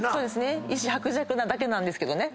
意志薄弱なだけなんですけどね。